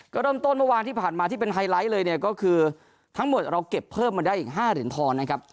ก็เริ่มต้นเมื่อวานที่ผ่านมาที่เป็นไฮไลท์เลยเนี่ยก็คือทั้งหมดเราเก็บเพิ่มมาได้อีก๕เหรียญทองนะครับ